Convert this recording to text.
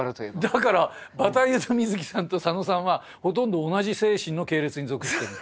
だからバタイユと水木さんと佐野さんはほとんど同じ精神の系列に属してる。